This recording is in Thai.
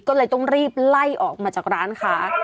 ก็เลยต้องรีบไล่ออกมาจากร้านค้า